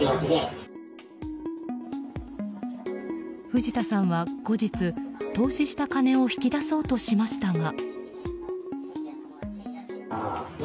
藤田さんは後日、投資した金を引き出そうとしましたが。